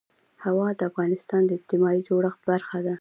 هوا د افغانستان د اجتماعي جوړښت برخه ده.